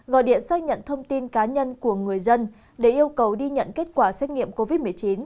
gọi điện xác nhận thông tin cá nhân của người dân để yêu cầu đi nhận kết quả xét nghiệm covid một mươi chín